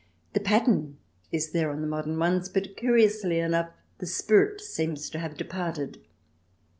The pattern is there on the modern ones, but, curiously enough, the spirit seems to have departed.